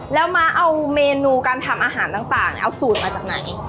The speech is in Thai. แล้วม้าเอาเมนูการทำอาหารต่างเอาสูตรมาจากไหน